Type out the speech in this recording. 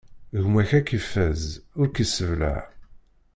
Gma-k ad k-iffeẓ, ur k-isseblaɛ.